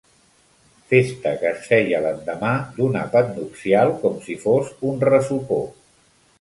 Festa que es feia l'endemà d'un àpat nupcial, com si fos un ressopó.